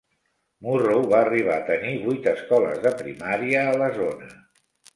Murroe va arribar a tenir vuit escoles de primària a la zona.